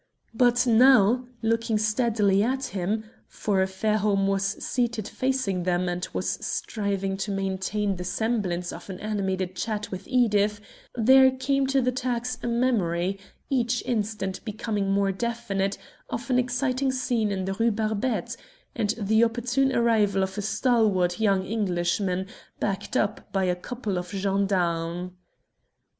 But now, looking steadily at him for Fairholme was seated facing them, and was striving to maintain the semblance of an animated chat with Edith there came to the Turks a memory, each instant becoming more definite, of an exciting scene in the Rue Barbette, and the opportune arrival of a stalwart young Englishman, backed up by a couple of gendarmes.